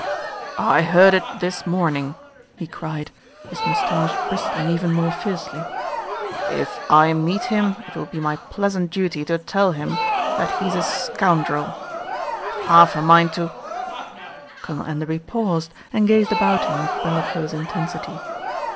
"I heard it this morning," he cried, his moustache bristling even more fiercely. "If I meet him it will be my pleasant duty to tell him that he's a scoundrel. I've half a mind to " Colonel Enderby paused, and gazed about him with bellicose intensity.